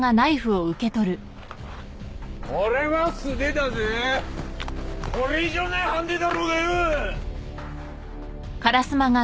俺は素手だぜこれ以上ないハンデだろうがよ